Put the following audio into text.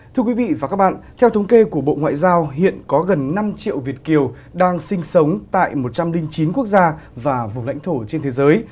thưa quý vị và các bạn theo thống kê của bộ ngoại giao hiện có gần năm triệu việt kiều đang sinh sống tại một trăm linh chín quốc gia và vùng lãnh thổ trên thế giới